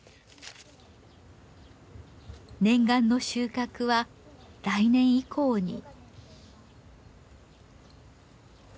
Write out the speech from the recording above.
念願の収穫は来年以降に。